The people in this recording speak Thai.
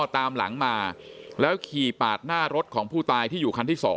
ตามหลังมาแล้วขี่ปาดหน้ารถของผู้ตายที่อยู่คันที่๒